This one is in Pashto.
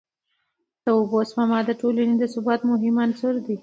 د اوبو سپما د ټولني د ثبات مهم عنصر دی.